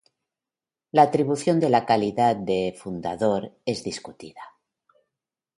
La atribución de la calidad de fundador es discutida.